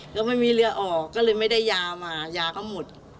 แล้วไม่มีเรือออกก็เลยไม่ได้ยามายาก็หมด